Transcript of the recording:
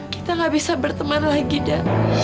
kita nggak bisa berteman lagi da